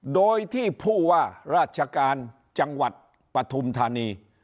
โดยที่ผู้ว่าราชการจังหวัดปฐุมธานี